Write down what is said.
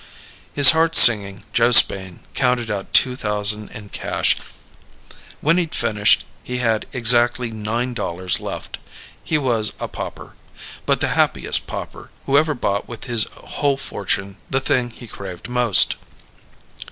His heart singing, Joe Spain counted out two thousand in cash. When he'd finished he had exactly nine dollars left. He was a pauper. But the happiest pauper who ever bought with his whole fortune the thing he craved most.